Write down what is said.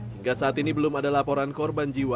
hingga saat ini belum ada laporan korban jiwa